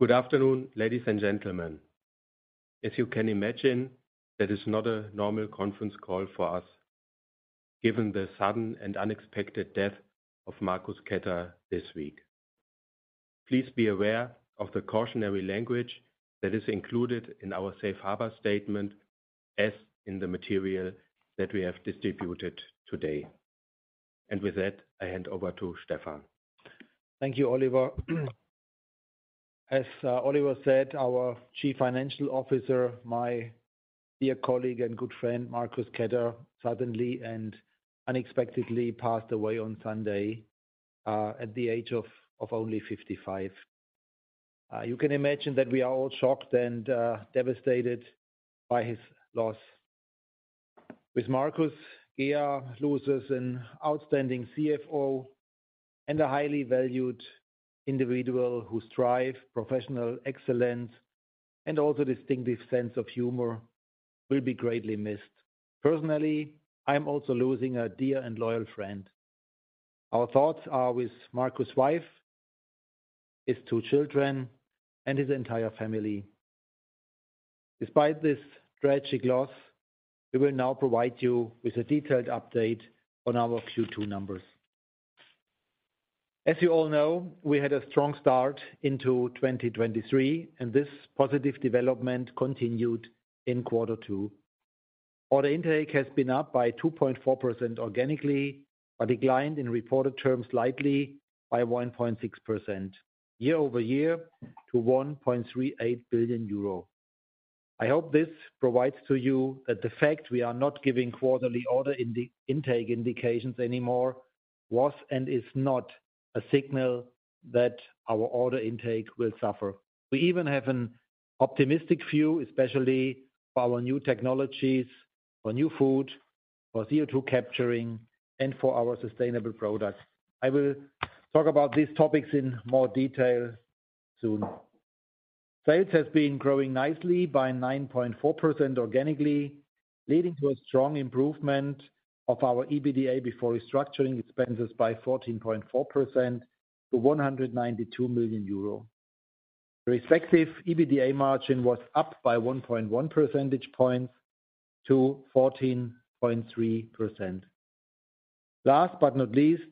Good afternoon, ladies and gentlemen. As you can imagine, that is not a normal conference call for us, given the sudden and unexpected death of Markus Ketter this week. Please be aware of the cautionary language that is included in our safe harbor statement, as in the material that we have distributed today. With that, I hand over to Stefan. Thank you, Oliver. Oliver said, our Chief Financial Officer, my dear colleague and good friend, Markus Ketter, suddenly and unexpectedly passed away on Sunday, at the age of only 55. You can imagine that we are all shocked and devastated by his loss. With Markus, GEA loses an outstanding CFO and a highly valued individual whose drive, professional excellence, and also distinctive sense of humor will be greatly missed. Personally, I'm also losing a dear and loyal friend. Our thoughts are with Markus' wife, his two children, and his entire family. Despite this tragic loss, we will now provide you with a detailed update on our Q2 numbers. As you all know, we had a strong start into 2023, and this positive development continued in Quarter 2. Order intake has been up by 2.4% organically, Declined in reported terms slightly by 1.6% year-over-year, to 1.38 billion euro. I hope this provides to you that the fact we are not giving quarterly order intake indications anymore, was and is not a signal that our order intake will suffer. We even have an optimistic view, especially for our new technologies, for new food, for CO2 capturing, and for our sustainable products. I will talk about these topics in more detail soon. Sales has been growing nicely by 9.4% organically, leading to a strong improvement of our EBITDA before restructuring expenses by 14.4% to 192 million euro. The respective EBITDA margin was up by 1.1 percentage points to 14.3%. Last but not least,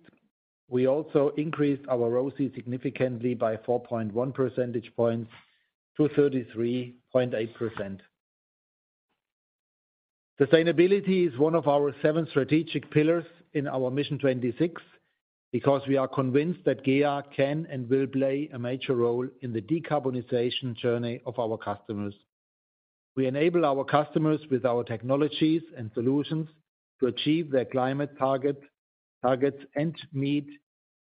we also increased our ROCE significantly by 4.1 percentage points to 33.8%. Sustainability is one of our 7 strategic pillars in our Mission 26, because we are convinced that GEA can and will play a major role in the decarbonization journey of our customers. We enable our customers with our technologies and solutions, to achieve their climate targets, and meet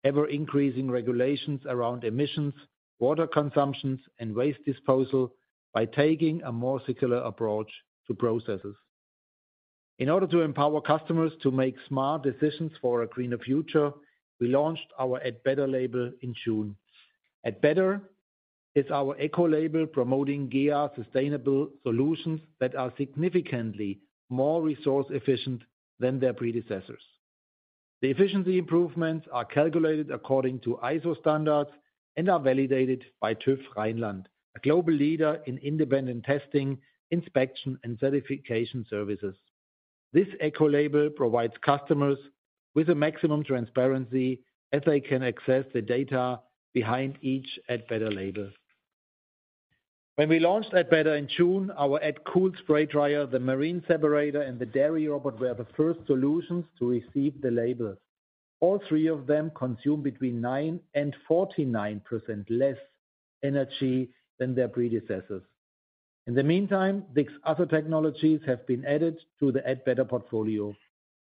ever-increasing regulations around emissions, water consumptions, and waste disposal by taking a more circular approach to processes. In order to empower customers to make smart decisions for a greener future, we launched our add-better label in June. add-better is our eco label, promoting GEA sustainable solutions that are significantly more resource efficient than their predecessors. The efficiency improvements are calculated according to ISO standards and are validated by TÜV Rheinland, a global leader in independent testing, inspection, and certification services. This eco label provides customers with a maximum transparency as they can access the data behind each add-Better label. When we launched add-Better in June, our AddCool spray dryer, the GEA Marine Separator, and the Dairy Robot, were the first solutions to receive the label. All three of them consume between 9%-49% less energy than their predecessors. In the meantime, these other technologies have been added to the add-Better portfolio.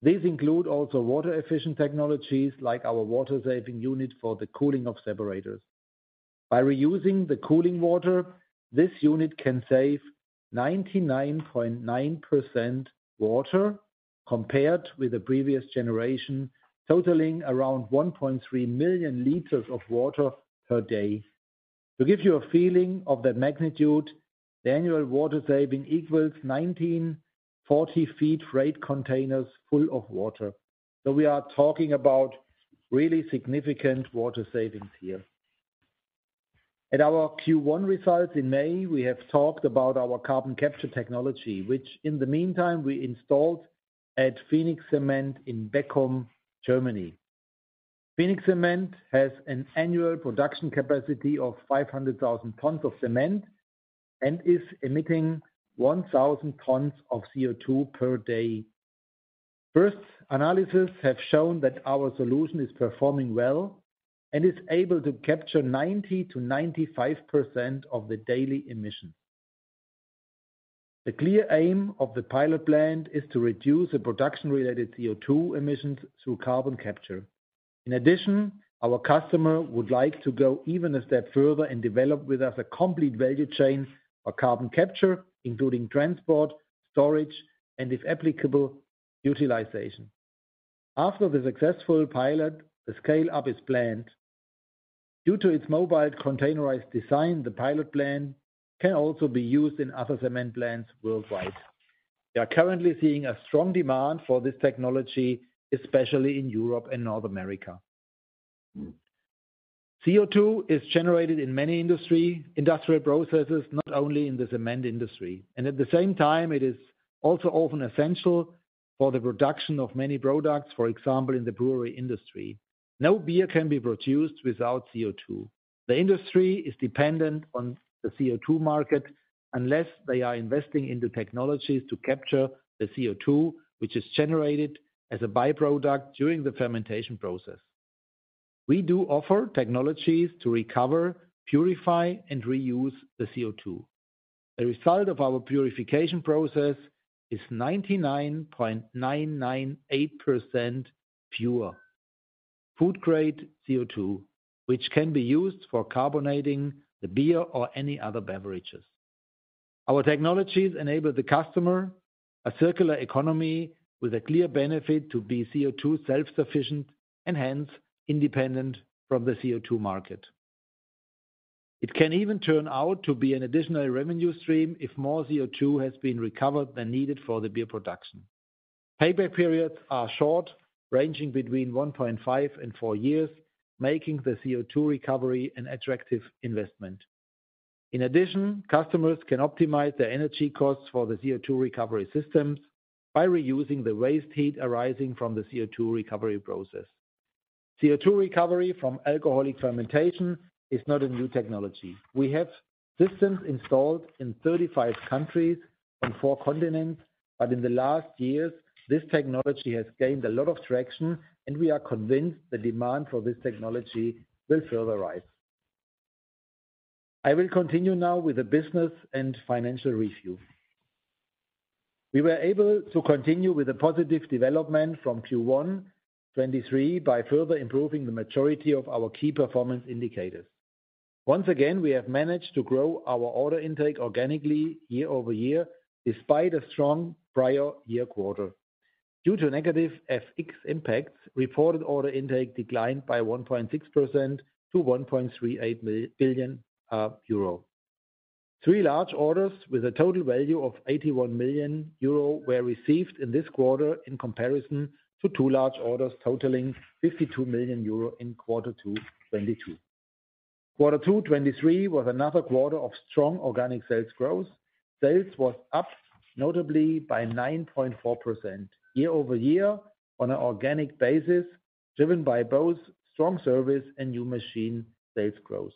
These include also water-efficient technologies, like our water-saving unit for the cooling of separators. By reusing the cooling water, this unit can save 99.9% water compared with the previous generation, totaling around 1.3 million liters of water per day. To give you a feeling of the magnitude, the annual water saving equals 19 40-feet freight containers full of water. We are talking about really significant water savings here. At our Q1 results in May, we have talked about our carbon capture technology, which in the meantime, we installed at Phoenix Cement in Beckum, Germany. Phoenix Cement has an annual production capacity of 500,000 tons of cement and is emitting 1,000 tons of CO2 per day. First, analysis have shown that our solution is performing well and is able to capture 90%-95% of the daily emission. The clear aim of the pilot plant is to reduce the production-related CO2 emissions through carbon capture. In addition, our customer would like to go even a step further and develop with us a complete value chain for carbon capture, including transport, storage, and if applicable, utilization. After the successful pilot, the scale-up is planned. Due to its mobile containerized design, the pilot plant can also be used in other cement plants worldwide. We are currently seeing a strong demand for this technology, especially in Europe and North America. CO2 is generated in many industrial processes, not only in the cement industry. At the same time, it is also often essential for the production of many products, for example, in the brewery industry. No beer can be produced without CO2. The industry is dependent on the CO2 market, unless they are investing in the technologies to capture the CO2, which is generated as a by-product during the fermentation process. We do offer technologies to recover, purify, and reuse the CO2. The result of our purification process is 99.998% pure food grade CO2, which can be used for carbonating the beer or any other beverages. Our technologies enable the customer a circular economy with a clear benefit to be CO2 self-sufficient, hence independent from the CO2 market. It can even turn out to be an additional revenue stream if more CO2 has been recovered than needed for the beer production. Payback periods are short, ranging between 1.5 and 4 years, making the CO2 recovery an attractive investment. In addition, customers can optimize their energy costs for the CO2 recovery systems by reusing the waste heat arising from the CO2 recovery process. CO2 recovery from alcoholic fermentation is not a new technology. We have systems installed in 35 countries on 4 continents. In the last years, this technology has gained a lot of traction. We are convinced the demand for this technology will further rise. I will continue now with the business and financial review. We were able to continue with the positive development from Q1 2023 by further improving the maturity of our key performance indicators. Once again, we have managed to grow our order intake organically year-over-year, despite a strong prior year quarter. Due to negative FX impacts, reported order intake declined by 1.6% to 1.38 billion euro. Three large orders with a total value of 81 million euro were received in this quarter, in comparison to two large orders totaling 52 million euro in quarter 2 2022. Quater 2 2023 was another quarter of strong organic sales growth. Sales was up, notably by 9.4% year-over-year on an organic basis, driven by both strong service and new machine sales growth.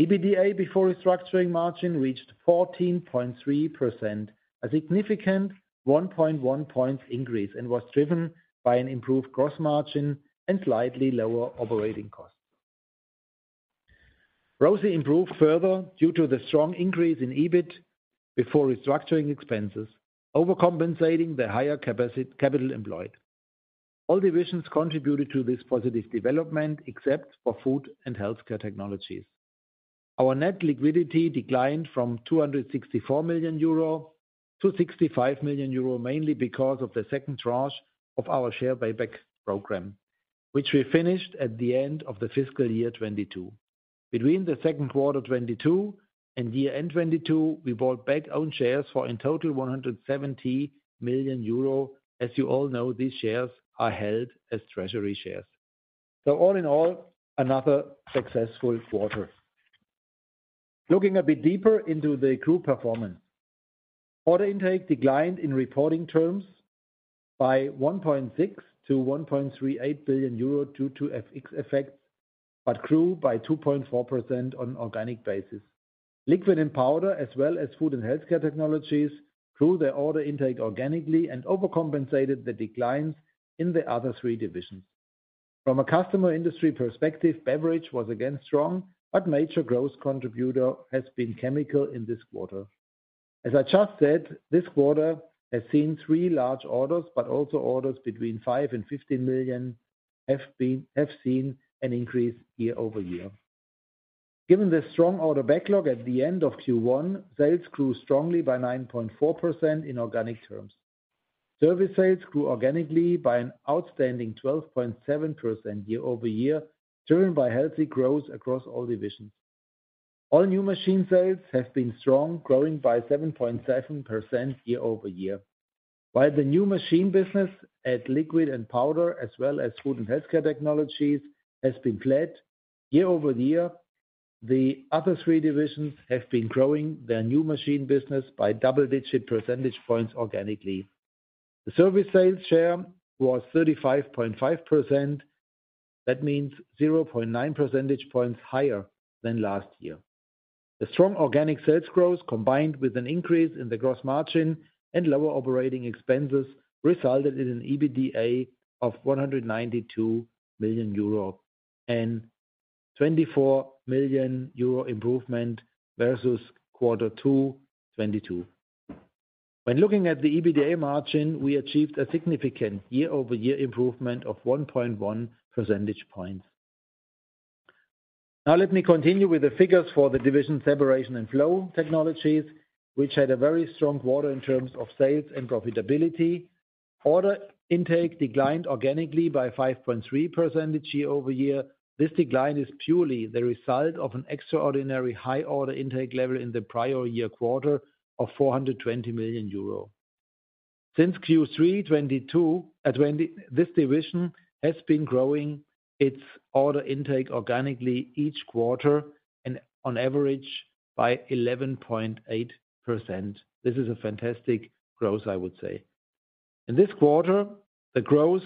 EBITDA before restructuring margin reached 14.3%, a significant 1.1 points increase, was driven by an improved gross margin and slightly lower operating costs. ROCE improved further due to the strong increase in EBIT before restructuring expenses, overcompensating the higher capital employed. All divisions contributed to this positive development, except for Food and Healthcare Technologies. Our net liquidity declined from 264 million euro to 65 million euro, mainly because of the second tranche of our share buyback program, which we finished at the end of the fiscal year 2022. Between the 2Q 2022 and year end 2022, we bought back own shares for in total 170 million euro. As you all know, these shares are held as treasury shares. All in all, another successful quarter. Looking a bit deeper into the group performance. Order intake declined in reporting terms by 1.6 billion to 1.38 billion euro due to FX effects, but grew by 2.4% on an organic basis. Liquid and Powder, as well as Food and Healthcare Technologies, grew their order intake organically and overcompensated the declines in the other three divisions. From a customer industry perspective, beverage was again strong, but major growth contributor has been chemical in this quarter. As I just said, this quarter has seen 3 large orders, but also orders between 5 million and 15 million have seen an increase year-over-year. Given the strong order backlog at the end of Q1, sales grew strongly by 9.4% in organic terms. Service sales grew organically by an outstanding 12.7% year-over-year, driven by healthy growth across all divisions. All new machine sales have been strong, growing by 7.7% year-over-year. While the new machine business at Liquid and Powder, as well as Food and Healthcare Technologies, has been flat year-over-year, the other three divisions have been growing their new machine business by double-digit percentage points organically. The service sales share was 35.5%. That means 0.9 percentage points higher than last year. The strong organic sales growth, combined with an increase in the gross margin and lower operating expenses, resulted in an EBITDA of 192 million euro and 24 million euro improvement versus quarter 2 2022. When looking at the EBITDA margin, we achieved a significant year-over-year improvement of 1.1 percentage points. Now, let me continue with the figures for the division Separation & Flow Technologies, which had a very strong quarter in terms of sales and profitability. Order intake declined organically by 5.3% year-over-year. This decline is purely the result of an extraordinary high order intake level in the prior year quarter of 420 million euro. Since Q3 2022, this division has been growing its order intake organically each quarter and on average by 11.8%. This is a fantastic growth, I would say. In this quarter, the growth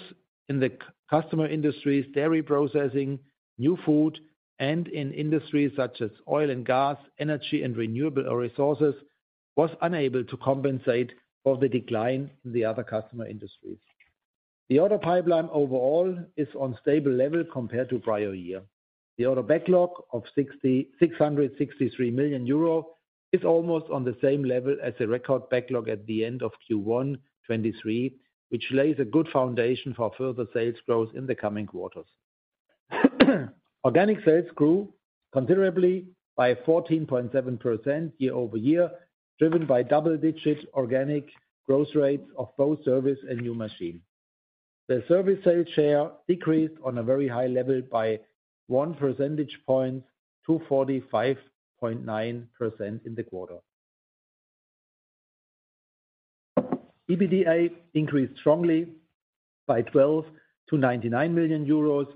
in the customer industries, dairy processing, new food, and in industries such as oil and gas, energy, and renewable resources, was unable to compensate for the decline in the other customer industries. The order pipeline overall is on stable level compared to prior year. The order backlog of 6,663 million euro is almost on the same level as the record backlog at the end of Q1 2023, which lays a good foundation for further sales growth in the coming quarters. Organic sales grew considerably by 14.7% year-over-year, driven by double-digit organic growth rates of both service and new machine. The service sales share decreased on a very high level by 1 percentage point to 45.9% in the quarter. EBITDA increased strongly by 12 million to 99 million euros,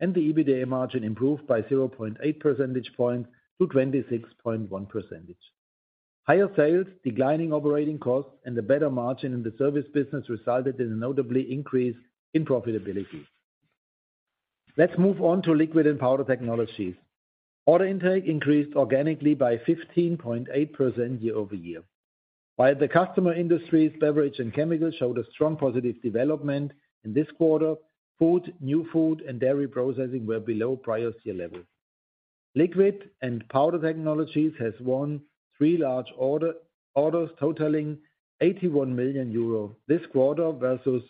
and the EBITDA margin improved by 0.8 percentage points to 26.1%. Higher sales, declining operating costs, and a better margin in the service business resulted in a notably increase in profitability. Let's move on to Liquid and Powder Technologies. Order intake increased organically by 15.8% year-over-year. While the customer industries, beverage and chemicals, showed a strong positive development in this quarter, food, new food, and dairy processing were below prior year level. Liquid and Powder Technologies has won three large orders totaling 81 million euro this quarter, versus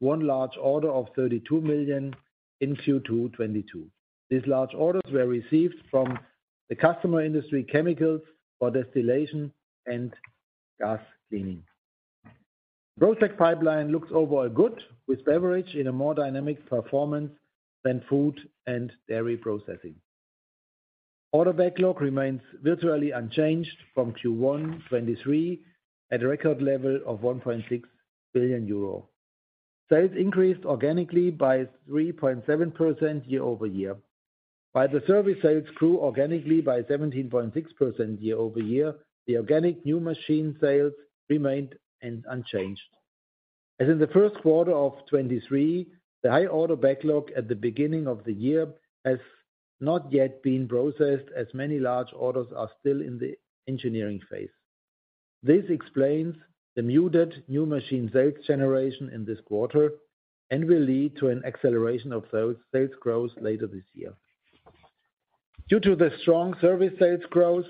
one large order of 32 million in Q2 2022. These large orders were received from the customer industry, chemicals for distillation and gas cleaning. Growth tech pipeline looks overall good, with beverage in a more dynamic performance than food and dairy processing. Order backlog remains virtually unchanged from Q1 2023, at a record level of 1.6 billion euro. Sales increased organically by 3.7% year-over-year. While the service sales grew organically by 17.6% year-over-year, the organic new machine sales remained unchanged. As in the first quarter of 2023, the high order backlog at the beginning of the year has not yet been processed, as many large orders are still in the engineering phase. This explains the muted new machine sales generation in this quarter and will lead to an acceleration of sales, sales growth later this year. Due to the strong service sales growth,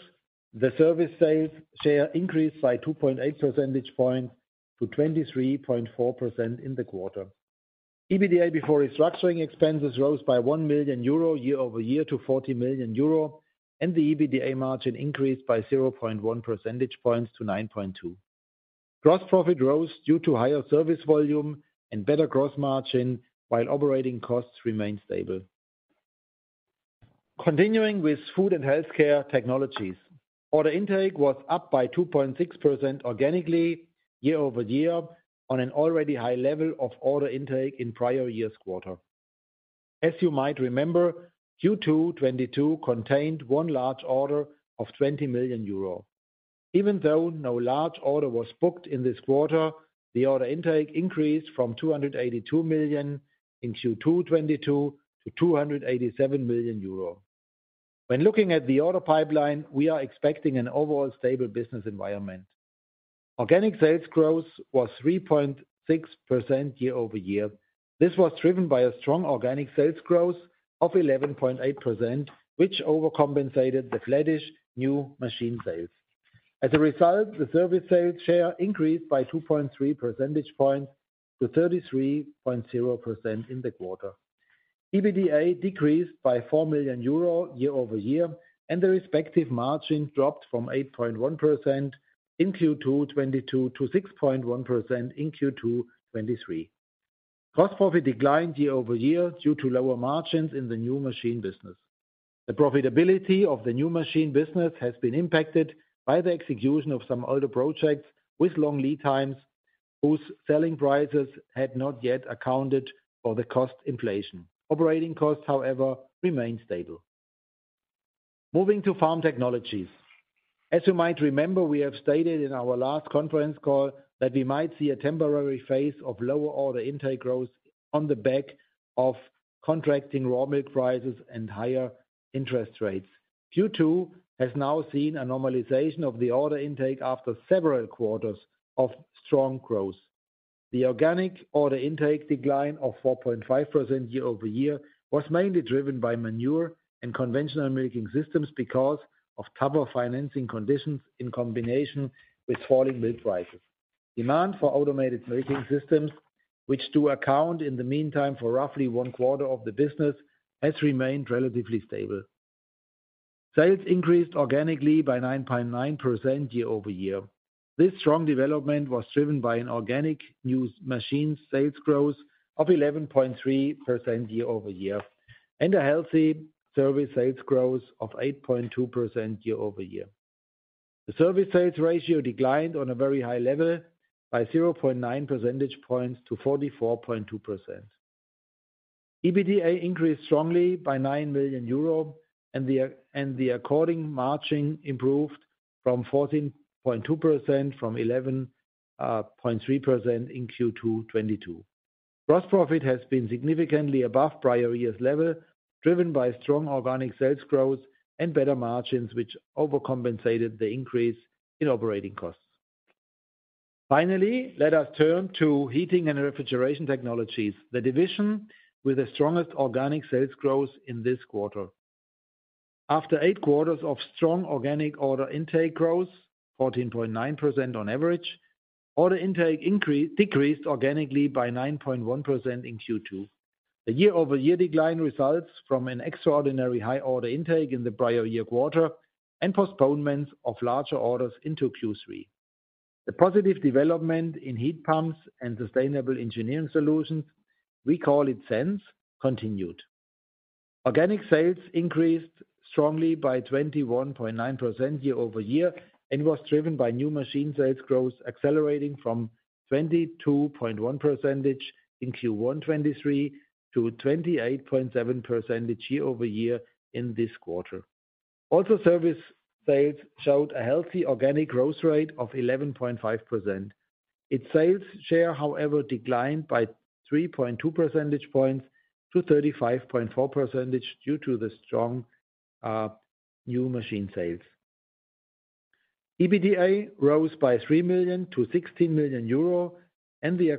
the service sales share increased by 2.8 percentage points to 23.4% in the quarter. EBITDA before restructuring expenses rose by 1 million euro year-over-year to 40 million euro, and the EBITDA margin increased by 0.1 percentage points to 9.2%. Gross profit rose due to higher service volume and better gross margin, while operating costs remained stable. Continuing with Food and Healthcare Technologies. Order intake was up by 2.6% organically year-over-year, on an already high level of order intake in prior year's quarter. As you might remember, Q2 2022 contained one large order of 20 million euro. Even though no large order was booked in this quarter, the order intake increased from 282 million in Q2 2022 to 287 million euro. When looking at the order pipeline, we are expecting an overall stable business environment. Organic sales growth was 3.6% year-over-year. This was driven by a strong organic sales growth of 11.8%, which overcompensated the flattish new machine sales. As a result, the service sales share increased by 2.3 percentage points to 33.0% in the quarter. EBITDA decreased by 4 million euro year-over-year. The respective margin dropped from 8.1% in Q2 2022 to 6.1% in Q2 2023. Gross profit declined year-over-year due to lower margins in the new machine business. The profitability of the new machine business has been impacted by the execution of some older projects with long lead times, whose selling prices had not yet accounted for the cost inflation. Operating costs, however, remain stable. Moving to Farm Technologies. As you might remember, we have stated in our last conference call that we might see a temporary phase of lower order intake growth on the back of contracting raw milk prices and higher interest rates. Q2 has now seen a normalization of the order intake after several quarters of strong growth. The organic order intake decline of 4.5% year-over-year, was mainly driven by manure and conventional milking systems because of tougher financing conditions in combination with falling milk prices. Demand for automated milking systems, which do account in the meantime for roughly 1/4 of the business, has remained relatively stable. Sales increased organically by 9.9% year-over-year. This strong development was driven by an organic new machine sales growth of 11.3% year-over-year, and a healthy service sales growth of 8.2% year-over-year. The service sales ratio declined on a very high level by 0.9 percentage points to 44.2%. EBITDA increased strongly by 9 million euro and the according margin improved from 14.2% from 11.3% in Q2 2022. Gross profit has been significantly above prior year's level, driven by strong organic sales growth and better margins, which overcompensated the increase in operating costs. Finally, let us turn to Heating and Refrigeration Technologies, the division with the strongest organic sales growth in this quarter. After eight quarters of strong organic order intake growth, 14.9% on average, order intake decreased organically by 9.1% in Q2. The year-over-year decline results from an extraordinary high order intake in the prior year quarter and postponements of larger orders into Q3. The positive development in heat pumps and sustainable engineering solutions, we call it SENS, continued. Organic sales increased strongly by 21.9% year-over-year, and was driven by new machine sales growth accelerating from 22.1% in Q1 2023 to 28.7% year-over-year in this quarter. Also, service sales showed a healthy organic growth rate of 11.5%. Its sales share, however, declined by 3.2 percentage points to 35.4% due to the strong new machine sales. EBITDA rose by 3 million to 16 million euro, and the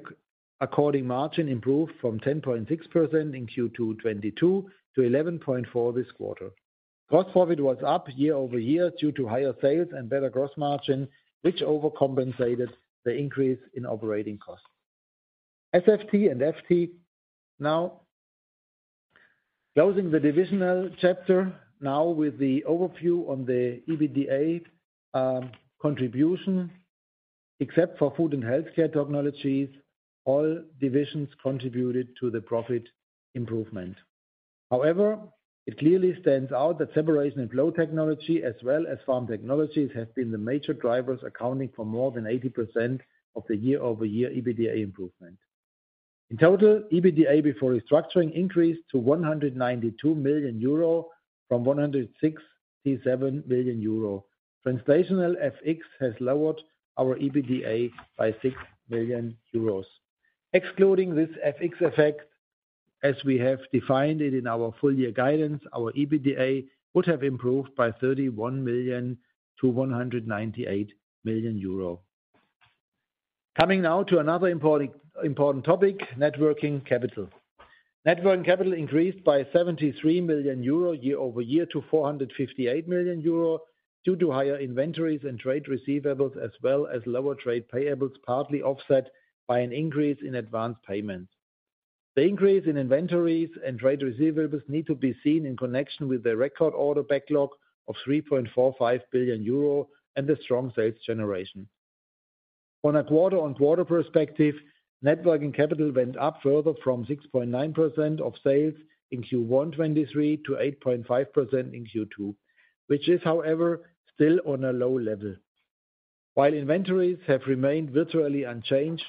according margin improved from 10.6% in Q2 2022 to 11.4% this quarter. Gross profit was up year-over-year due to higher sales and better gross margin, which overcompensated the increase in operating costs. FFT and FT. Closing the divisional chapter, now with the overview on the EBITDA contribution, except for Food and Healthcare Technologies, all divisions contributed to the profit improvement. However, it clearly stands out that Separation & Flow Technologies, as well as Farm Technologies, have been the major drivers, accounting for more than 80% of the year-over-year EBITDA improvement. In total, EBITDA before restructuring increased to 192 million euro from 167 million euro. Translational FX has lowered our EBITDA by 6 million euros. Excluding this FX effect, as we have defined it in our full year guidance, our EBITDA would have improved by 31 million to 198 million euro. Coming now to another important, important topic, net working capital. Net working capital increased by 73 million euro year-over-year to 458 million euro, due to higher inventories and trade receivables, as well as lower trade payables, partly offset by an increase in advance payments. The increase in inventories and trade receivables need to be seen in connection with the record order backlog of 3.45 billion euro and the strong sales generation. On a quarter-on-quarter perspective, net working capital went up further from 6.9% of sales in Q1 2023 to 8.5% in Q2, which is, however, still on a low level. While inventories have remained virtually unchanged,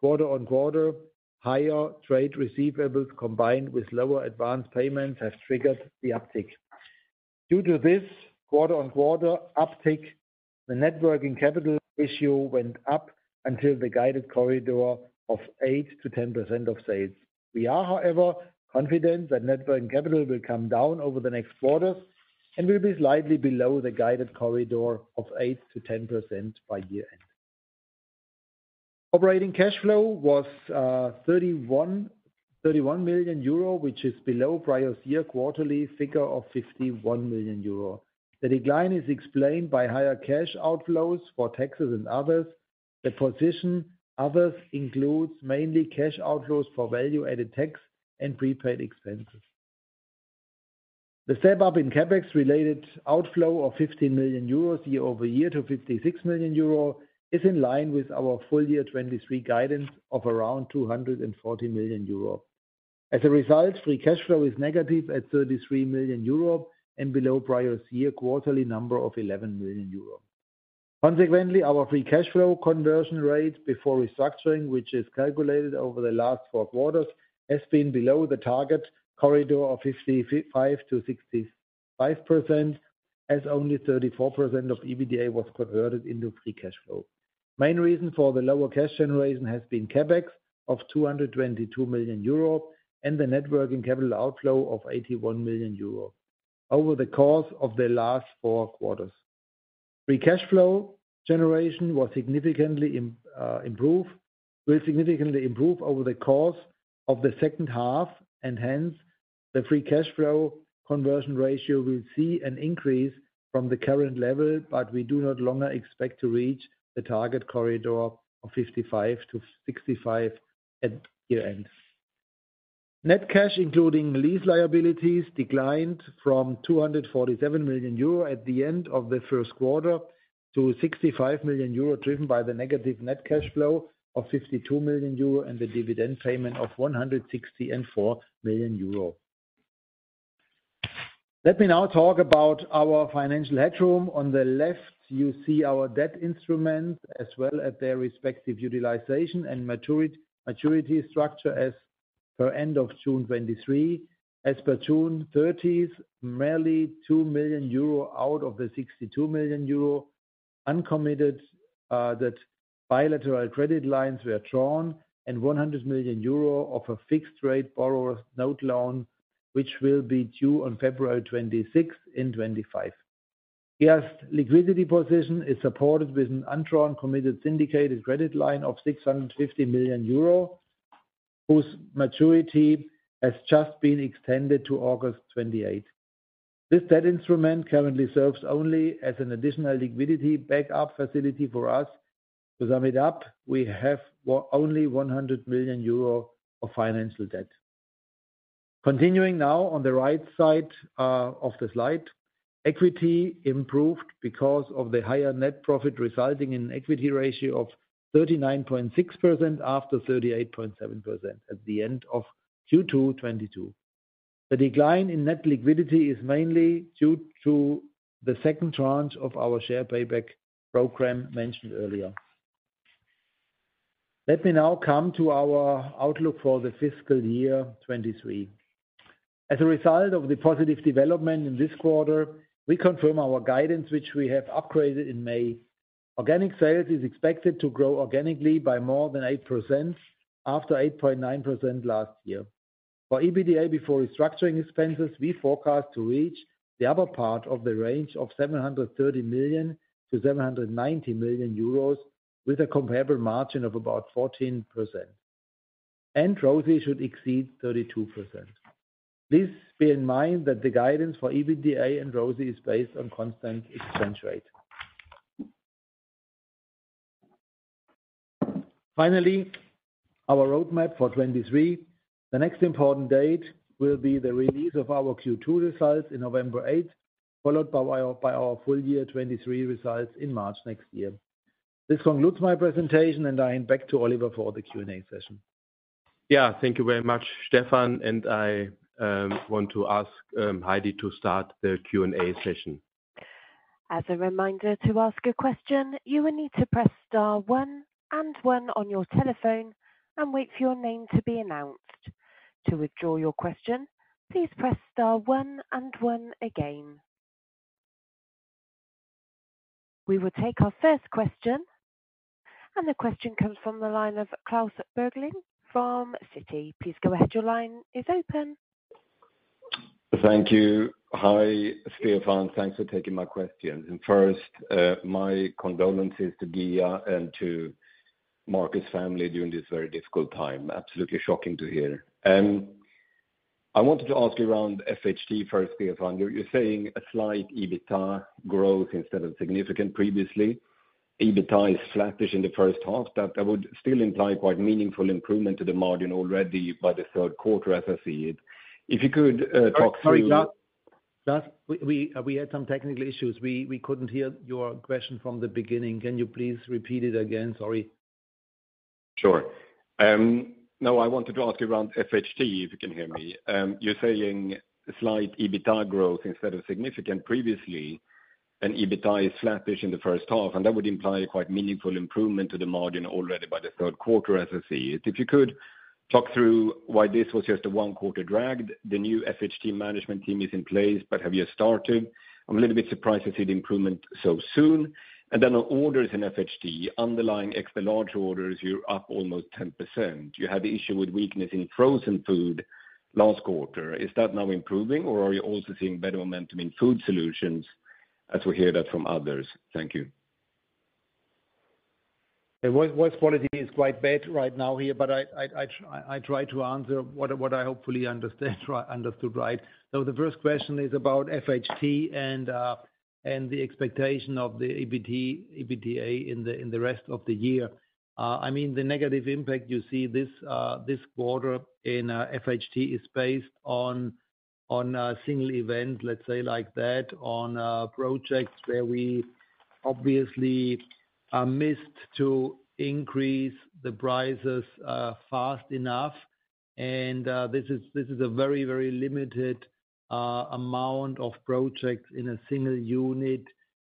quarter-on-quarter, higher trade receivables, combined with lower advanced payments, have triggered the uptick. Due to this quarter-on-quarter uptick, the net working capital ratio went up until the guided corridor of 8%-10% of sales. We are, however, confident that net working capital will come down over the next quarters and will be slightly below the guided corridor of 8%-10% by year-end. Operating cash flow was 31 million euro, which is below prior's year quarterly figure of 51 million euro. The decline is explained by higher cash outflows for taxes and others. The position, others, includes mainly cash outflows for value-added tax and prepaid expenses. The step-up in CapEx related outflow of 15 million euros year-over-year to 56 million euro is in line with our full year 2023 guidance of around 240 million euro. As a result, free cash flow is negative at 33 million euro and below prior's year quarterly number of 11 million euro. Consequently, our free cash flow conversion rate before restructuring, which is calculated over the last four quarters, has been below the target corridor of 55%-65%, as only 34% of EBITDA was converted into free cash flow. Main reason for the lower cash generation has been CapEx of 222 million euro, and the net working capital outflow of 81 million euro over the course of the last four quarters. Free cash flow generation was significantly will significantly improve over the course of the second half, and hence, the free cash flow conversion ratio will see an increase from the current level, but we do not longer expect to reach the target corridor of 55%-65% at year-end. Net cash, including lease liabilities, declined from 247 million euro at the end of the first quarter to 65 million euro, driven by the negative net cash flow of 52 million euro and the dividend payment of 164 million euro. Let me now talk about our financial headroom. On the left, you see our debt instrument as well as their respective utilization and maturity structure as per end of June 2023. As per June 30th, merely 2 million euro out of the 62 million euro uncommitted, that bilateral credit lines were drawn and 100 million euro of a fixed rate borrower note loan, which will be due on February 26th in 2025. Liquidity position is supported with an undrawn committed syndicated credit line of 650 million euro, whose maturity has just been extended to August 2028. This debt instrument currently serves only as an additional liquidity backup facility for us. To sum it up, we have only 100 million euro of financial debt. Continuing now on the right side of the slide, equity improved because of the higher net profit, resulting in an equity ratio of 39.6% after 38.7% at the end of Q2 2022. The decline in net liquidity is mainly due to the second tranche of our share payback program mentioned earlier. Let me now come to our outlook for the fiscal year 2023. As a result of the positive development in this quarter, we confirm our guidance, which we have upgraded in May. Organic sales is expected to grow organically by more than 8%, after 8.9% last year. For EBITDA, before restructuring expenses, we forecast to reach the upper part of the range of 730 million-790 million euros, with a comparable margin of about 14%, and ROACE should exceed 32%. Please bear in mind that the guidance for EBITDA and ROACE is based on constant exchange rate. Finally, our roadmap for 2023. The next important date will be the release of our Q2 results in November 8th, followed by our full year 2023 results in March next year. This concludes my presentation, and I hand back to Oliver for the Q&A session. Yeah, thank you very much, Stefan, and I want to ask Heidi to start the Q&A session. As a reminder, to ask a question, you will need to press star one and one on your telephone and wait for your name to be announced. To withdraw your question, please press star one and one again. We will take our first question, and the question comes from the line of Klas Bergelind from Citi. Please go ahead. Your line is open. Thank you. Hi, Stefan. Thanks for taking my question. First, my condolences to GEA and to Marcus' family during this very difficult time. Absolutely shocking to hear. I wanted to ask you around FHT first, Stefan. You're saying a slight EBITDA growth instead of significant previously. EBITDA is flattish in the first half. That would still imply quite meaningful improvement to the margin already by the third quarter as I see it. If you could talk through- Sorry, Klaus. Klaus, we, we had some technical issues. We, we couldn't hear your question from the beginning. Can you please repeat it again? Sorry. Sure. Now I wanted to ask you around FHT, if you can hear me. You're saying a slight EBITDA growth instead of significant previously. EBITDA is flattish in the first half, that would imply a quite meaningful improvement to the margin already by the third quarter as I see it. If you could talk through why this was just a 1 quarter drag? The new FHT management team is in place, but have you started? I'm a little bit surprised to see the improvement so soon. Then on orders in FHT, underlying extra large orders, you're up almost 10%. You had the issue with weakness in frozen food last quarter. Is that now improving, or are you also seeing better momentum in food solutions as we hear that from others? Thank you. The voice, voice quality is quite bad right now here, but I, I, I try, I try to answer what, what I hopefully understand, right, understood right. The first question is about FHT and, and the expectation of the EBT- EBITDA in the, in the rest of the year. I mean, the negative impact you see this, this quarter in FHT is based on, on a single event, let's say like that, on projects where we obviously, missed to increase the prices fast enough. This is, this is a very, very limited amount of projects in a single unit,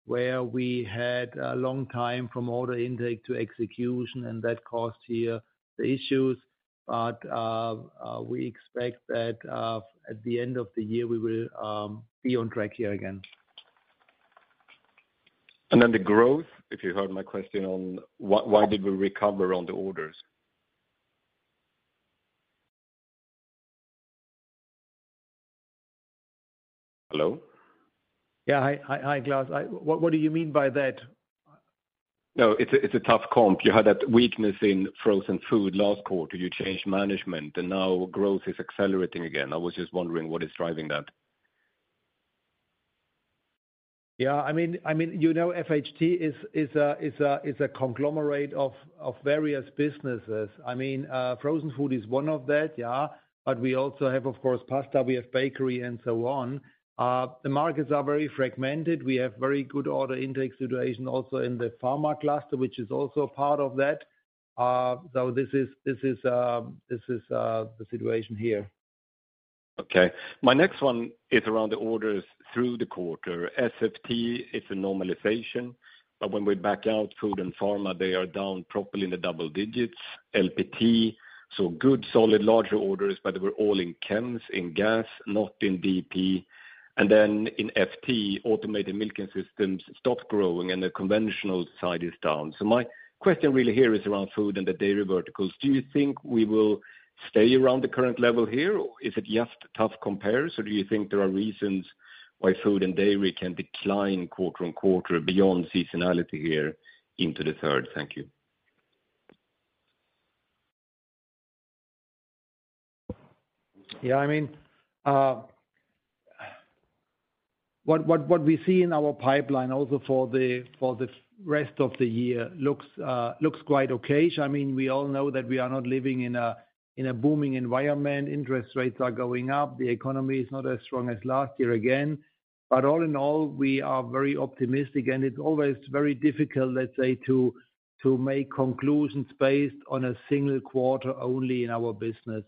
where we had a long time from order intake to execution, and that caused here the issues. We expect that, at the end of the year, we will be on track here again. Then the growth, if you heard my question on why did we recover on the orders? Hello? Yeah. Hi, hi, hi, Klaus. What, what do you mean by that? No, it's a, it's a tough comp. You had that weakness in frozen food last quarter. You changed management, and now growth is accelerating again. I was just wondering what is driving that? Yeah, I mean, I mean, you know, FHT is, is a, is a, is a conglomerate of, of various businesses. I mean, frozen food is one of that, yeah, but we also have, of course, pasta, we have bakery, and so on. The markets are very fragmented. We have very good order intake situation also in the pharma cluster, which is also a part of that. This is, this is, this is, the situation here. Okay. My next one is around the orders through the quarter. SFT, it's a normalization, but when we back out food and pharma, they are down properly in the double digits. LPT, good, solid, larger orders, but they were all in chems, in gas, not in BP. Then in FT, automated milking systems stopped growing, and the conventional side is down. My question really here is around food and the dairy verticals. Do you think we will stay around the current level here, or is it just tough compares? Do you think there are reasons why food and dairy can decline quarter-on-quarter beyond seasonality here into the third? Thank you. Yeah, I mean, what, what, what we see in our pipeline also for the rest of the year looks quite okay. I mean, we all know that we are not living in a booming environment. Interest rates are going up, the economy is not as strong as last year again. All in all, we are very optimistic, and it's always very difficult, let's say, to make conclusions based on a single quarter only in our business.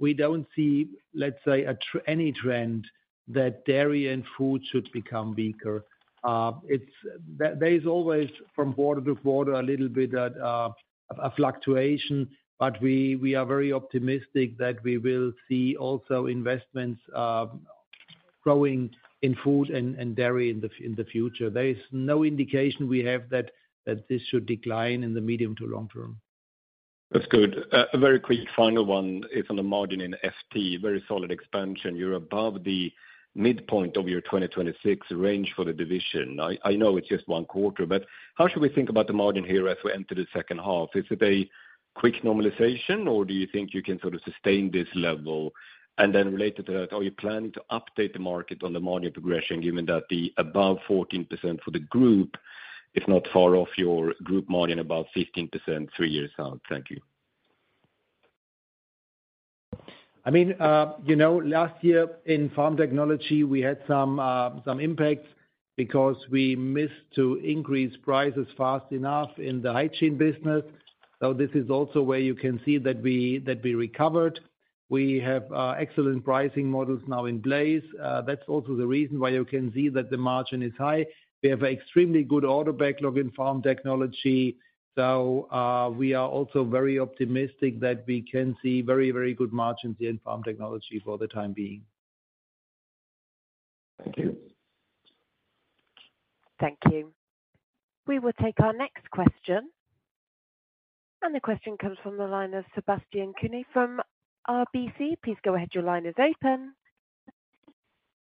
We don't see, let's say, any trend that dairy and food should become weaker. There, there is always from quarter to quarter, a little bit a fluctuation, but we, we are very optimistic that we will see also investments growing in food and dairy in the future. There is no indication we have that, that this should decline in the medium to long term. That's good. a very quick final one is on the margin in FT. Very solid expansion. You're above the midpoint of your 2026 range for the division. I, I know it's just one quarter, but how should we think about the margin here as we enter the second half? Is it a quick normalization, or do you think you can sort of sustain this level? Then related to that, are you planning to update the market on the margin progression, given that the above 14% for the group is not far off your group margin, about 15%, three years out? Thank you. I mean, you know, last year in Farm Technologies, we had some impacts because we missed to increase prices fast enough in the high chain business. This is also where you can see that we, that we recovered. We have excellent pricing models now in place. That's also the reason why you can see that the margin is high. We have extremely good order backlog in Farm Technologies. We are also very optimistic that we can see very, very good margins in Farm Technologies for the time being. Thank you. Thank you. We will take our next question. The question comes from the line of Sebastian Kuenne from RBC. Please go ahead. Your line is open.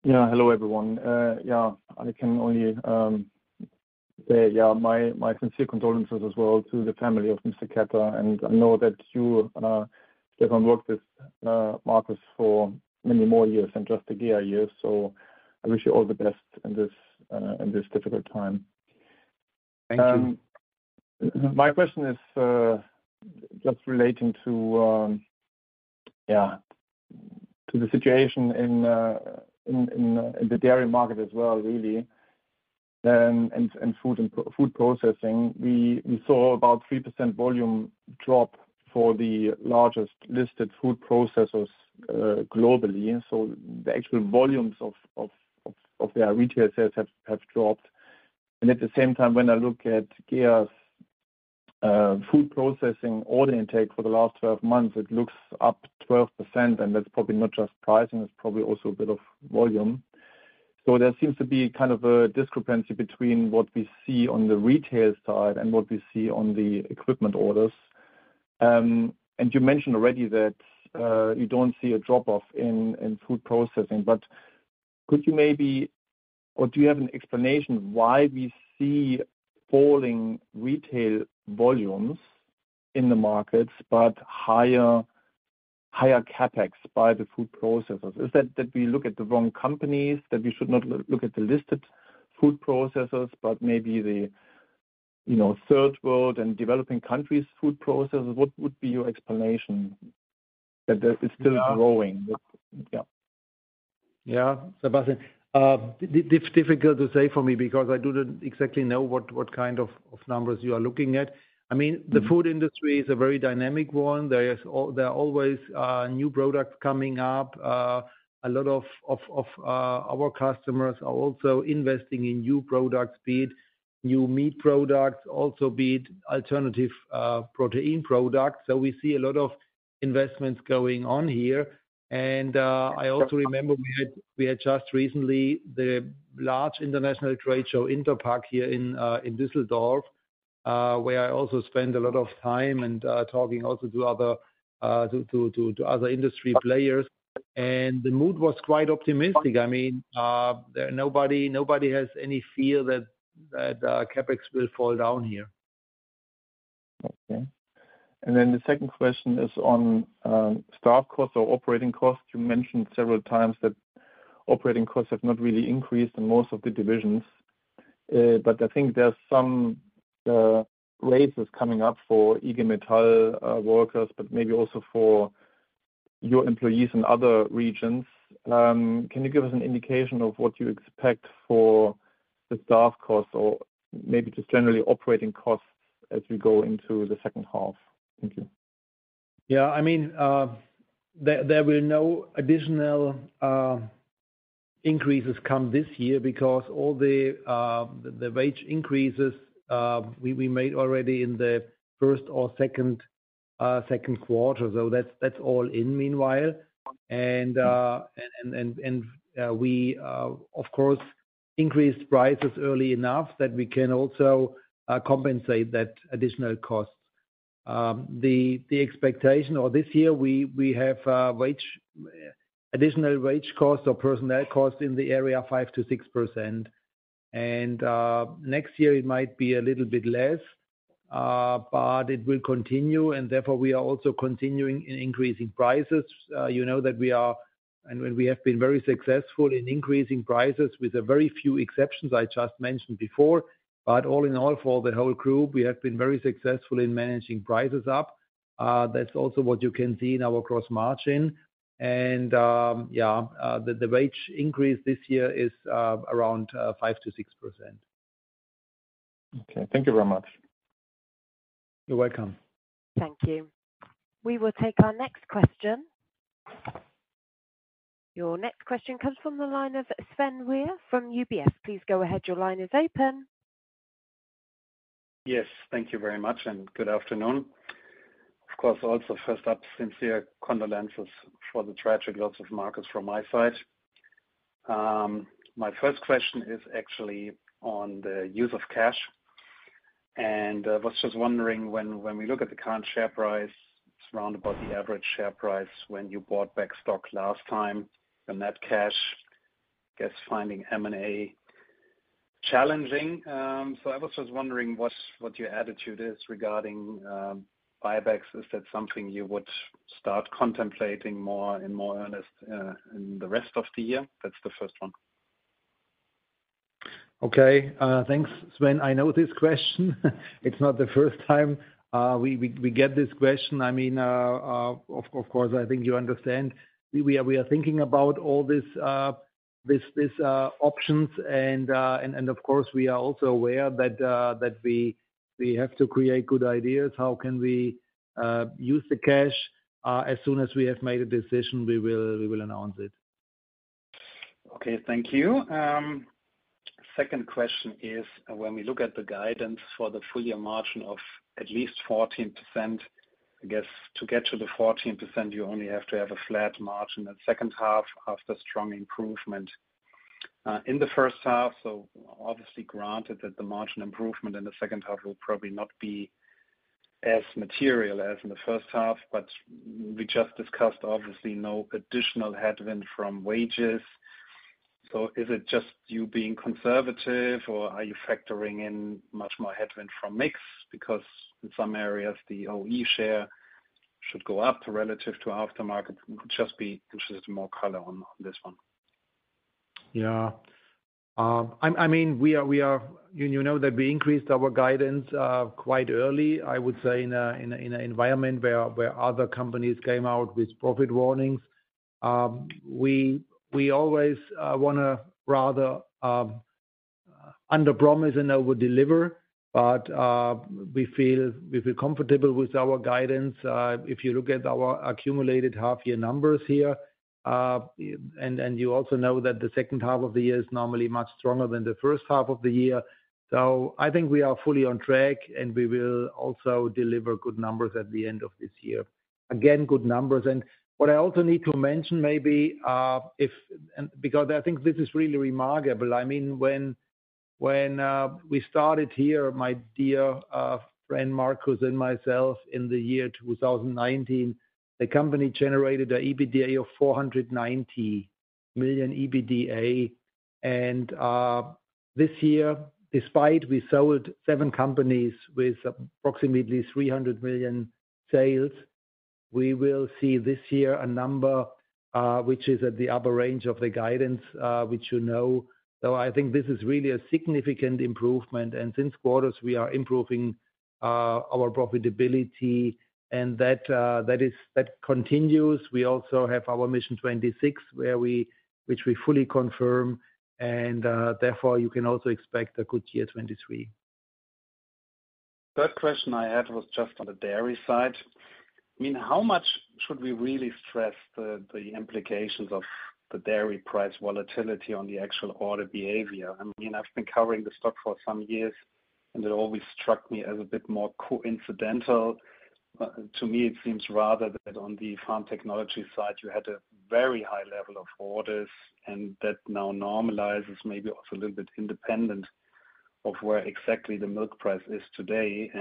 Hello, everyone. I can only say, my sincere condolences as well to the family of Mr. Ketter. I know that you, Stefan, worked with Marcus for many more years and just a year, years. I wish you all the best in this difficult time. Thank you. My question is just relating to the situation in the dairy market as well, really, and food and food processing. We saw about 3% volume drop for the largest listed food processors globally. The actual volumes of their retail sales have dropped. At the same time, when I look at GEA's food processing order intake for the last 12 months, it looks up 12%, and that's probably not just pricing, it's probably also a bit of volume. There seems to be kind of a discrepancy between what we see on the retail side and what we see on the equipment orders. You mentioned already that you don't see a drop-off in food processing, but do you have an explanation why we see falling retail volumes in the markets, but higher, higher CapEx by the food processors? Is that, that we look at the wrong companies, that we should not look at the listed food processors, but maybe the, you know, Third World and developing countries' food processors? What would be your explanation that that is still growing? Yeah, Sebastian, it's difficult to say for me because I do not exactly know what, what kind of numbers you are looking at. I mean, the food industry is a very dynamic one. There are always new products coming up. A lot of our customers are also investing in new product speed, new meat products, also be it alternative protein products. We see a lot of investments going on here. I also remember we had just recently the large international trade show, interpack, here in Dusseldorf, where I also spend a lot of time and talking also to other industry players. The mood was quite optimistic. I mean, nobody has any fear that CapEx will fall down here. Okay. Then the second question is on staff costs or operating costs. You mentioned several times that operating costs have not really increased in most of the divisions. I think there's some raises coming up for IG Metall workers, but maybe also for your employees in other regions. Can you give us an indication of what you expect for the staff costs or maybe just generally operating costs as we go into the second half? Thank you. Yeah, I mean, there will no additional increases come this year because all the wage increases we made already in the first or second quarter. That's all in meanwhile. We, of course, increased prices early enough that we can also compensate that additional cost. The expectation this year, we have wage, additional wage costs or personnel costs in the area 5%-6%. Next year it might be a little bit less, but it will continue, and therefore we are also continuing in increasing prices. You know that we are, and when we have been very successful in increasing prices, with a very few exceptions, I just mentioned before. All in all, for the whole group, we have been very successful in managing prices up. That's also what you can see in our cross margin. The wage increase this year is around 5%-6%. Okay. Thank you very much. You're welcome. Thank you. We will take our next question. Your next question comes from the line of Sven Weier from UBS. Please go ahead. Your line is open. Yes, thank you very much, and good afternoon. Of course, also, first up, sincere condolences for the tragic loss of Marcus from my side. My first question is actually on the use of cash, and I was just wondering, when we look at the current share price, it's around about the average share price when you bought back stock last time, the net cash, I guess, finding M&A challenging. I was just wondering what your attitude is regarding buybacks. Is that something you would start contemplating more and more earnest in the rest of the year? That's the first one. Okay, thanks, Sven. I know this question. It's not the first time, we, we, we get this question. I mean, of, of course, I think you understand. We are, we are thinking about all this, this, this, options, and, and, and of course, we are also aware that, that we, we have to create good ideas. How can we use the cash? As soon as we have made a decision, we will, we will announce it. Okay, thank you. Second question is: when we look at the guidance for the full year margin of at least 14%, I guess to get to the 14%, you only have to have a flat margin at second half after strong improvement in the first half. Obviously, granted that the margin improvement in the second half will probably not be as material as in the first half, but we just discussed, obviously, no additional headwind from wages. Is it just you being conservative, or are you factoring in much more headwind from mix? Because in some areas, the OE share should go up relative to aftermarket. Just more color on this one. Yeah. I, I mean, you know that we increased our guidance quite early, I would say, in a, in a, in an environment where, where other companies came out with profit warnings. We, we always wanna rather under-promise and over-deliver, but we feel, we feel comfortable with our guidance. If you look at our accumulated half-year numbers here, and, and you also know that the second half of the year is normally much stronger than the first half of the year. I think we are fully on track, and we will also deliver good numbers at the end of this year. Again, good numbers. What I also need to mention, maybe, if, and because I think this is really remarkable. I mean, when, when we started here, my dear friend Marcus and myself, in the year 2019, the company generated an EBITDA of 490 million EBITDA. This year, despite we sold seven companies with approximately 300 million sales, we will see this year a number which is at the upper range of the guidance, which you know. So I think this is really a significant improvement, and since quarters, we are improving our profitability, and that, that is, that continues. We also have our Mission 26, which we fully confirm, and therefore, you can also expect a good year 2023. Third question I had was just on the dairy side. I mean, how much should we really stress the, the implications of the dairy price volatility on the actual order behavior? I mean, I've been covering the stock for some years, and it always struck me as a bit more coincidental. To me, it seems rather that on the Farm Technologies side, you had a very high level of orders, and that now normalizes, maybe also a little bit independent of where exactly the milk price is today.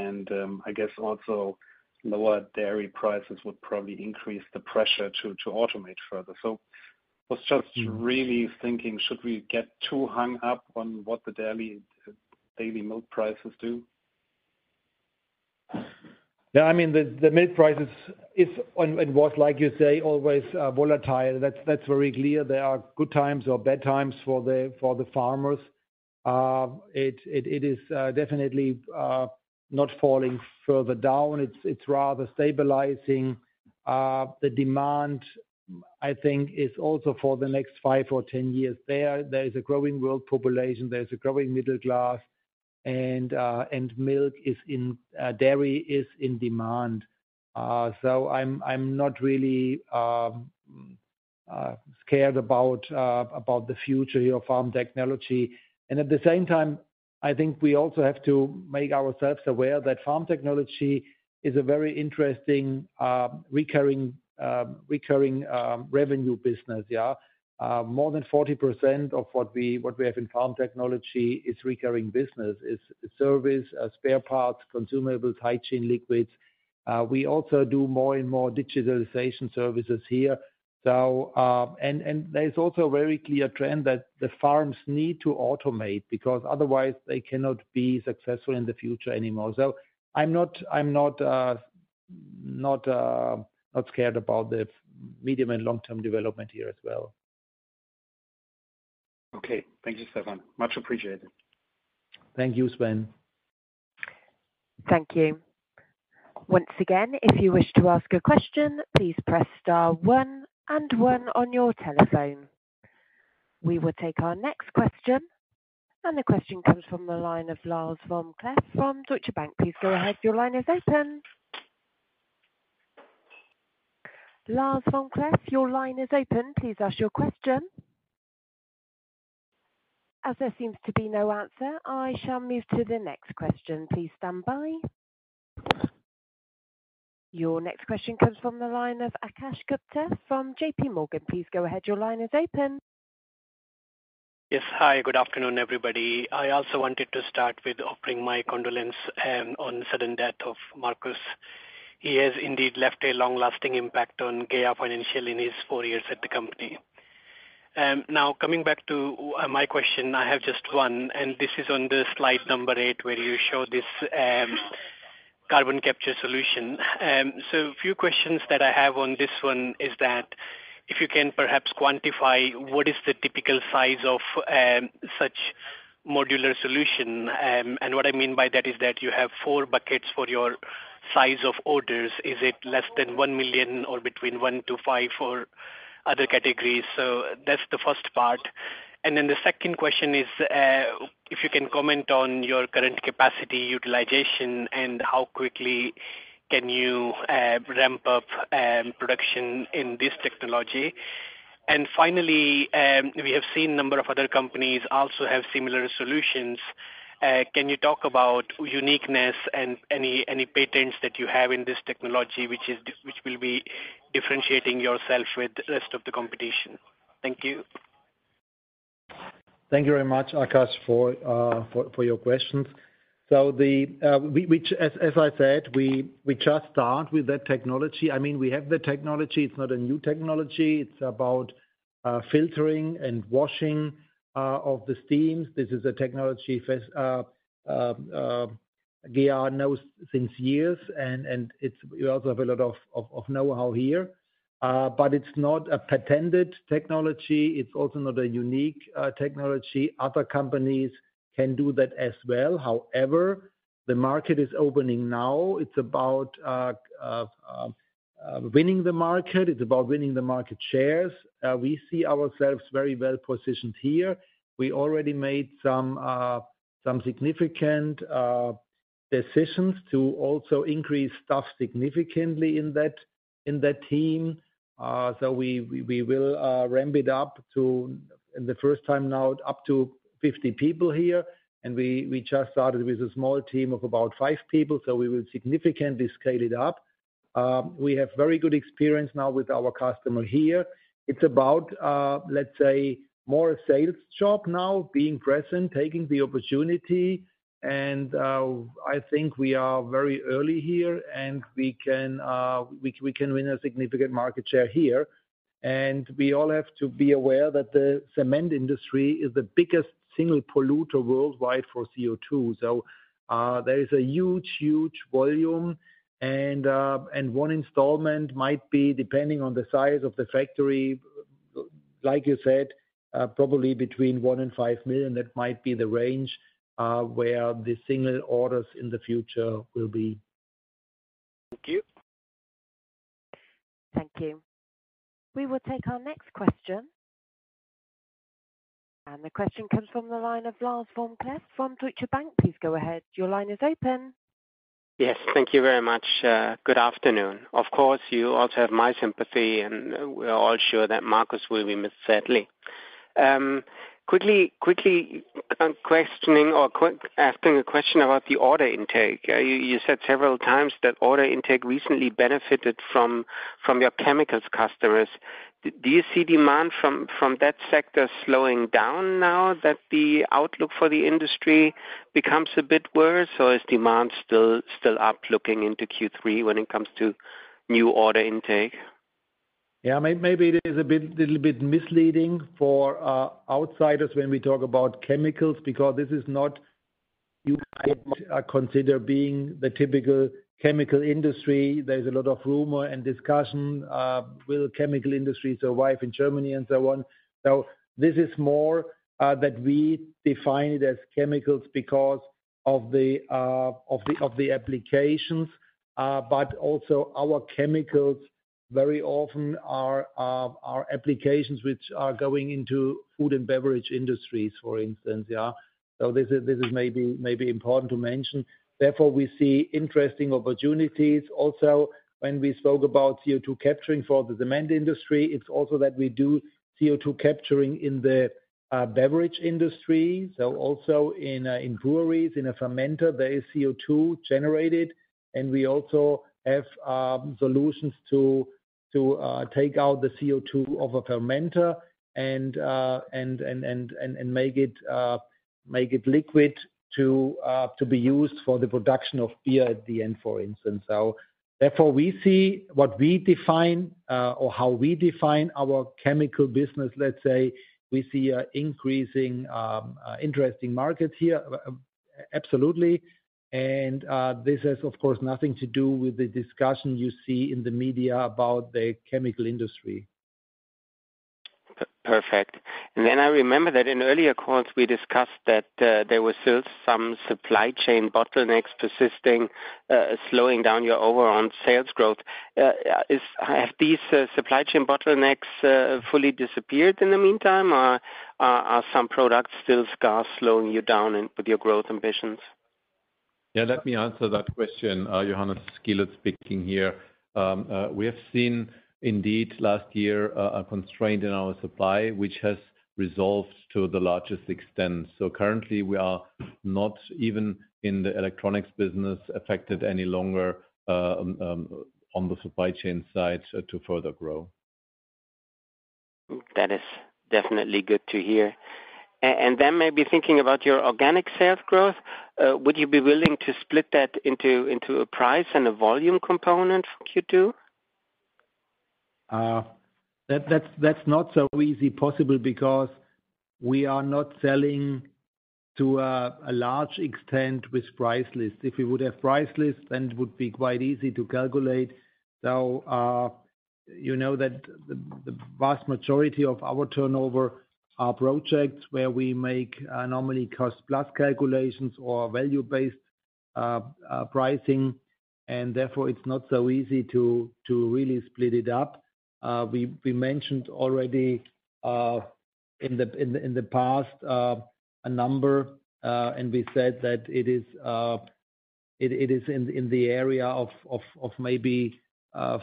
I guess also lower dairy prices would probably increase the pressure to, to automate further. Was just really thinking, should we get too hung up on what the daily, daily milk prices do? Yeah, I mean, the, the milk prices is and, and was, like you say, always volatile. That's, that's very clear. There are good times or bad times for the, for the farmers. It, it, it is definitely not falling further down. It's, it's rather stabilizing. The demand, I think, is also for the next five-years. There, there is a growing world population, there is a growing middle class, and milk is in, dairy is in demand. So I'm, I'm not really scared about about the future here of Farm Technologies. At the same time, I think we also have to make ourselves aware that Farm Technologies is a very interesting recurring recurring revenue business, yeah. More than 40% of what we, what we have in Farm Technologies is recurring business. It's service, spare parts, consumables, hygiene, liquids. We also do more and more digitalization services here. And there's also a very clear trend that the farms need to automate, because otherwise they cannot be successful in the future anymore. I'm not, I'm not, not, not scared about the medium and long-term development here as well. Okay. Thank you, Stefan. Much appreciated. Thank you, Sven. Thank you. Once again, if you wish to ask a question, please press star one and one on your telephone. We will take our next question. The question comes from the line of Lars vom-Cleff from Deutsche Bank. Please go ahead. Your line is open. Lars vom-Cleff, your line is open. Please ask your question. As there seems to be no answer, I shall move to the next question. Please stand by. Your next question comes from the line of Akash Gupta from JP Morgan. Please go ahead. Your line is open. Yes. Hi, good afternoon, everybody. I also wanted to start with offering my condolence on sudden death of Marcus. He has indeed left a long-lasting impact on GEA Financial in his four years at the company. Coming back to my question, I have just one, and this is on the slide number eight, where you show this carbon capture solution. A few questions that I have on this one is that if you can perhaps quantify what is the typical size of such modular solution? What I mean by that is that you have four buckets for your size of orders. Is it less than 1 million or between 1 million-5 million or other categories? That's the first part. The second question is, if you can comment on your current capacity utilization and how quickly can you ramp up production in this technology? Finally, we have seen a number of other companies also have similar solutions. Can you talk about uniqueness and any, any patents that you have in this technology, which will be differentiating yourself with the rest of the competition? Thank you. Thank you very much, Akash, for your questions. The, as I said, we just start with that technology. I mean, we have the technology. It's not a new technology. It's about filtering and washing of the steams. This is a technology GEA knows since years, we also have a lot of know-how here. It's not a patented technology. It's also not a unique technology. Other companies can do that as well. However, the market is opening now. It's about winning the market. It's about winning the market shares. We see ourselves very well positioned here. We already made some significant decisions to also increase staff significantly in that team. We will ramp it up to, in the first time now, up to 50 people here. We just started with a small team of about five people, so we will significantly scale it up. We have very good experience now with our customer here. It's about, let's say, more a sales job now, being present, taking the opportunity. I think we are very early here, and we can win a significant market share here. We all have to be aware that the cement industry is the biggest single polluter worldwide for CO2. There is a huge, huge volume and one installment might be, depending on the size of the factory, like you said, probably between 1 million-5 million. That might be the range, where the single orders in the future will be. Thank you. Thank you. We will take our next question. The question comes from the line of Lars Vom-Cleff from Deutsche Bank. Please go ahead. Your line is open. Yes. Thank you very much. Good afternoon. Of course, you also have my sympathy, and we're all sure that Marcus will be missed sadly. asking a question about the order intake. you, you said several times that order intake recently benefited from, from your chemicals customers. Do you see demand from, from that sector slowing down now that the outlook for the industry becomes a bit worse, or is demand still, still up looking into Q3 when it comes to new order intake? Yeah, maybe it is a bit, little bit misleading for outsiders when we talk about chemicals, because this is not I consider being the typical chemical industry. There's a lot of rumor and discussion, will chemical industries survive in Germany, and so on. This is more that we define it as chemicals because of the applications. Also our chemicals very often are applications which are going into food and beverage industries, for instance, yeah. This is, this is maybe, maybe important to mention. Therefore, we see interesting opportunities also, when we spoke about CO2 capturing for the cement industry, it's also that we do CO2 capturing in the beverage industry. Also in breweries, in a fermenter, there is CO2 generated, and we also have solutions to take out the CO2 of a fermenter and make it liquid to be used for the production of beer at the end, for instance. Therefore, we see what we define or how we define our chemical business, let's say, we see a increasing interesting market here. Absolutely, this has, of course, nothing to do with the discussion you see in the media about the chemical industry. Perfect. Then I remember that in earlier calls, we discussed that there were still some supply chain bottlenecks persisting, slowing down your overall sales growth. Have these supply chain bottlenecks fully disappeared in the meantime? Or are some products still slowing you down in with your growth ambitions? Yeah, let me answer that question. Johannes Gilardi speaking here. We have seen indeed last year, a constraint in our supply, which has resolved to the largest extent. Currently, we are not even in the electronics business, affected any longer, on the supply chain side to further grow. That is definitely good to hear. Then maybe thinking about your organic sales growth, would you be willing to split that into, into a price and a volume component for Q2? That's not so easy possible because we are not selling to a large extent with price list. If we would have price list, it would be quite easy to calculate. You know that the vast majority of our turnover are projects where we make normally cost plus calculations or value-based pricing, and therefore, it's not so easy to really split it up. We mentioned already in the past a number, and we said that it is in the area of maybe 4%,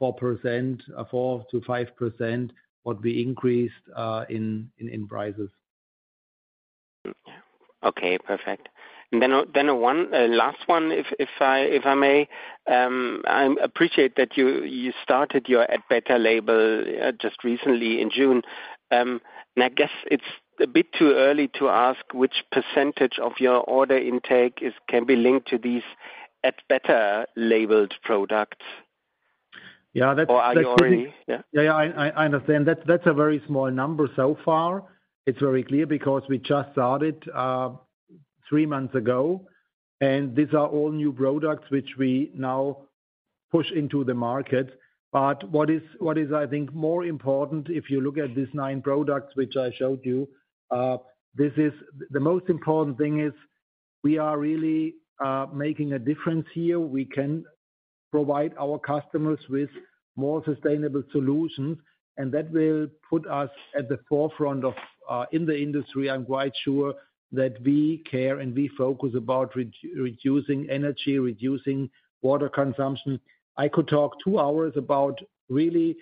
4%-5% what we increased in prices. Okay, perfect. Then, one, last one, if I may. I appreciate that you, you started your Add Better label, just recently in June. I guess it's a bit too early to ask which % of your order intake can be linked to these Add Better labeled products? Yeah, that's. Are you already? Yeah. Yeah, yeah, I, I understand. That's, that's a very small number so far. It's very clear because we just started 3 months ago, these are all new products which we now push into the market. What is, what is, I think more important, if you look at these 9 products, which I showed you, the most important thing is we are really making a difference here. We can provide our customers with more sustainable solutions, that will put us at the forefront of in the industry. I'm quite sure that we care and we focus about reducing energy, reducing water consumption. I could talk 2 hours about really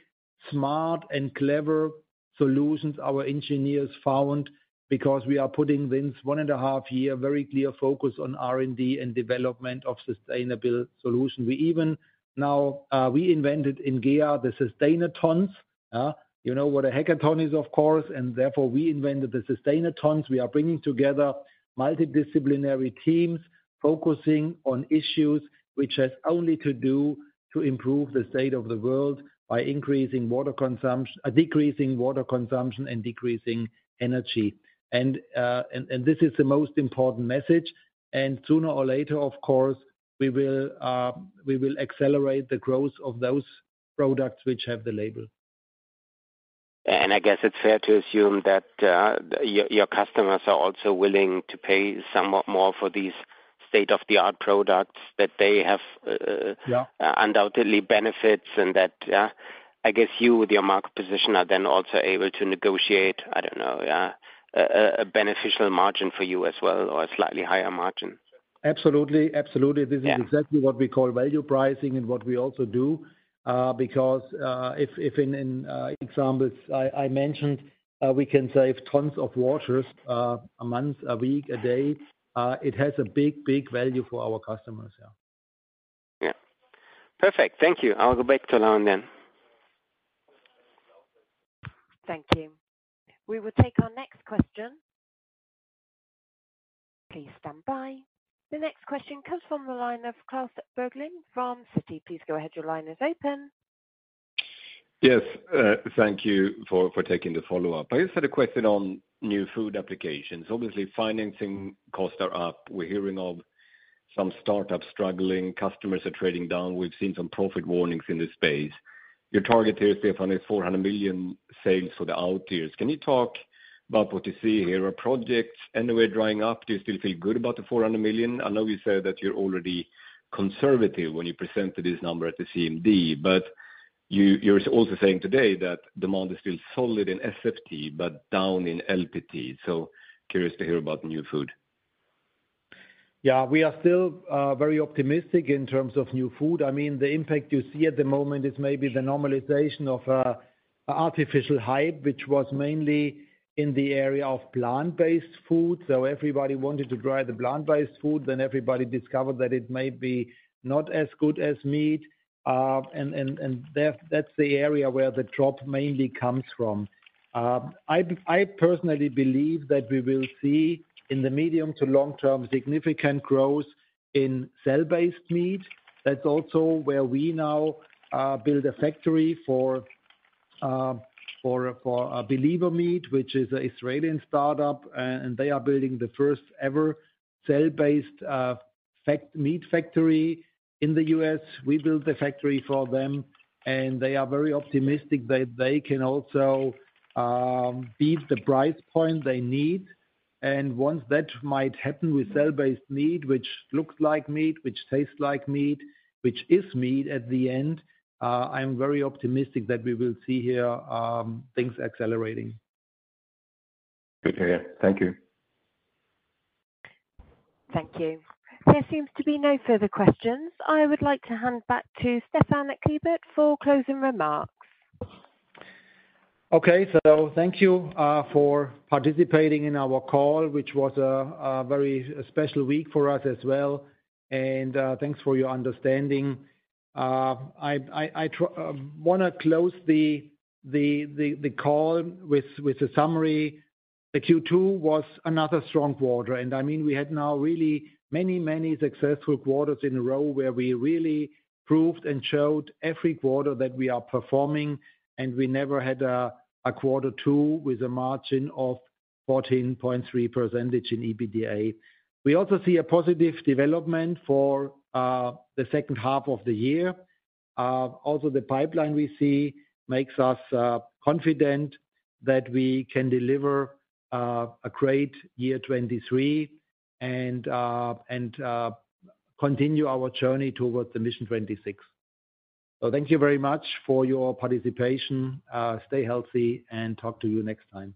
smart and clever solutions our engineers found, because we are putting this one and a half year, very clear focus on R&D and development of sustainable solution. We even now, we invented in GEA, the Sustainathons, you know what a hackathon is, of course, and therefore we invented the Sustainathons. We are bringing together multidisciplinary teams, focusing on issues which has only to do to improve the state of the world by increasing water consumption-- decreasing water consumption and decreasing energy. This is the most important message, and sooner or later, of course, we will, we will accelerate the growth of those products which have the label. I guess it's fair to assume that your, your customers are also willing to pay somewhat more for these state-of-the-art products, that they have. Yeah Undoubtedly benefits, and that, I guess you, with your market position, are then also able to negotiate, I don't know, yeah, a, a beneficial margin for you as well, or a slightly higher margin. Absolutely. Absolutely. Yeah. This is exactly what we call value pricing and what we also do, because if, if in, in examples I mentioned, we can save tons of waters, a month, a week, a day, it has a big, big value for our customers, yeah. Yeah. Perfect, thank you. I'll go back to Lauren then. Thank you. We will take our next question. Please stand by. The next question comes from the line of Klas Bergelind from Citi. Please go ahead. Your line is open. Yes, thank you for taking the follow-up. I just had a question on new food applications. Obviously, financing costs are up. We're hearing of some startups struggling, customers are trading down. We've seen some profit warnings in this space. Your target here, Stefan, is 400 million sales for the out years. Can you talk about what you see here? Are projects anywhere drying up? Do you still feel good about the 400 million? I know you said that you're already conservative when you presented this number at the CMD, you're also saying today that demand is still solid in SFT, but down in LPT. Curious to hear about new food. Yeah, we are still very optimistic in terms of new food. I mean, the impact you see at the moment is maybe the normalization of artificial hype, which was mainly in the area of plant-based food. Everybody wanted to try the plant-based food, then everybody discovered that it may be not as good as meat. And, and, that, that's the area where the drop mainly comes from. I, I personally believe that we will see in the medium to long term, significant growth in cell-based meat. That's also where we now build a factory for, for, for Believer Meats, which is an Israeli startup, and they are building the first-ever cell-based fact- meat factory in the US. We build the factory for them, and they are very optimistic that they can also beat the price point they need. Once that might happen with cell-based meat, which looks like meat, which tastes like meat, which is meat at the end, I'm very optimistic that we will see here, things accelerating. Good to hear. Thank you. Thank you. There seems to be no further questions. I would like to hand back to Stefan Klebert for closing remarks. Okay, thank you for participating in our call, which was a very special week for us as well. Thanks for your understanding. I want to close the call with a summary. The Q2 was another strong quarter, and I mean, we had now really many successful quarters in a row where we really proved and showed every quarter that we are performing, and we never had a quarter two with a margin of 14.3% in EBITDA. We also see a positive development for the second half of the year. Also, the pipeline we see makes us confident that we can deliver a great year 2023 and continue our journey towards the Mission 26. Thank you very much for your participation. Stay healthy and talk to you next time.